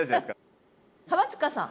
浜塚さん。